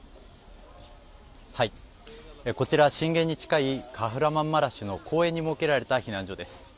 こちら震源に近いカフラマンマラシュの公園に設けられた避難所です。